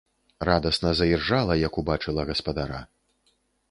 Радасна заіржала, як убачыла гаспадара.